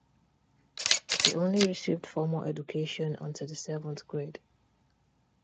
He only received formal education until the seventh grade.